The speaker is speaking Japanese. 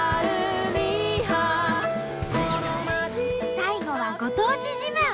最後はご当地自慢。